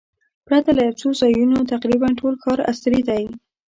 پرته له یو څو ځایونو تقریباً ټول ښار عصري دی.